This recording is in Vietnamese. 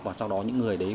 và sau đó những người đấy về